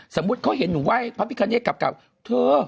สมมุติเขาเห็นหนูไหว้พระพิคเนตกลับเธอ